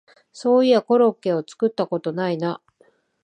そういやコロッケを作ったことないな